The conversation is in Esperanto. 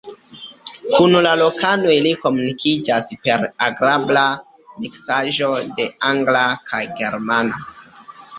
Kun la lokanoj li komunikiĝas per agrabla miksaĵo de angla kaj germana.